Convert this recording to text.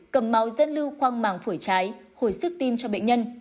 cầm máu lưu khoang màng phổi trái hồi sức tim cho bệnh nhân